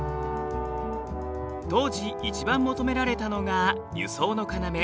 当時一番求められたのが輸送の要